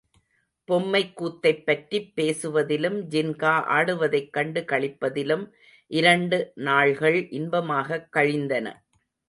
பொம்மைக்கூத்தைப்பற்றிப் பேசுவதிலும், ஜின்கா ஆடுவதைக் கண்டு களிப்பதிலும் இரண்டு நாள்கள் இன்பமாகக் கழிந்தன.